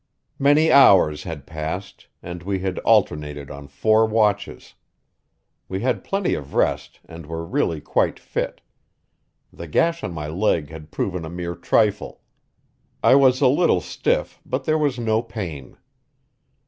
Many hours had passed, and we had alternated on four watches. We had plenty of rest and were really quite fit. The gash on my leg had proven a mere trifle; I was a little stiff, but there was no pain.